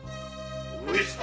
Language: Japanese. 上様。